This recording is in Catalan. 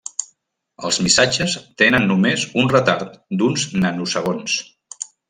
Els missatges tenen només un retard d'uns nanosegons.